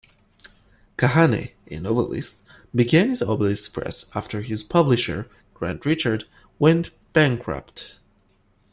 Kahane, a novelist, began the Obelisk Press after his publisher, Grant Richards, went bankrupt.